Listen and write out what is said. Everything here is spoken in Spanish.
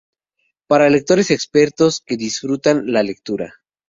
Para lectores expertos que disfrutan de la lectura.